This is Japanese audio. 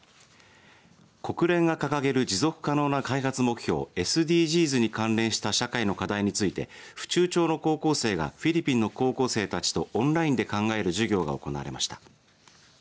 国連が掲げる持続可能な開発目標ＳＤＧｓに関連した社会の課題について府中町の高校生がフィリピンの高校生たちとオンラインで考える授業が行われました。